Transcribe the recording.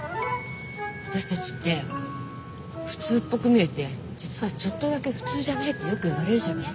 私たちって普通っぽく見えて実はちょっとだけ普通じゃないってよく言われるじゃない？